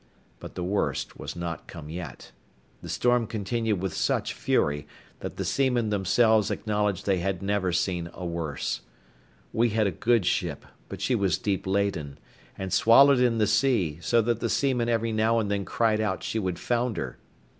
But the worst was not come yet; the storm continued with such fury that the seamen themselves acknowledged they had never seen a worse. We had a good ship, but she was deep laden, and wallowed in the sea, so that the seamen every now and then cried out she would founder.